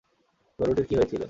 গরুটির কি হয়েছিল?